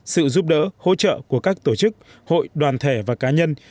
sự giúp đỡ hỗ trợ của các tổ chức hội đoàn thể và cá nhân